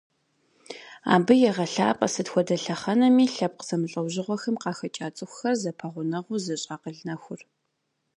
Абы егъэлъапӀэ сыт хуэдэ лъэхъэнэми лъэпкъ зэмылӀэужьыгъуэхэм къахэкӀа цӀыхухэр зэпэгъунэгъу зыщӀ акъыл нэхур.